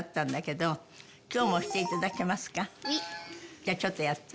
じゃあちょっとやって。